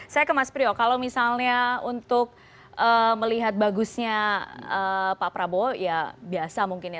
saya ke mas priyo kalau misalnya untuk melihat bagusnya pak prabowo ya biasa mungkin ya